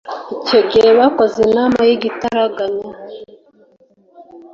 icyo gihe bakoze inama y'igitaraganya